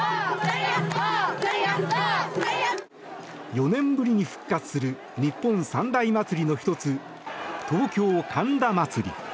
４年ぶりに復活する日本三大祭りの１つ東京・神田祭。